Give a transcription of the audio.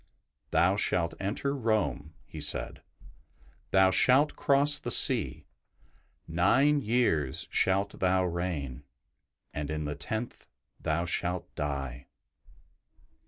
''Thou shalt enter Rome,'' he said; '' thou shalt cross the sea; nine years shalt thou reign, and in the tenth thou shalt die."